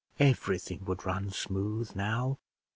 Everything would run smooth now.